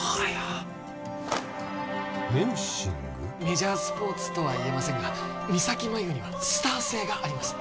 メジャースポーツとは言えませんが三咲麻有にはスター性があります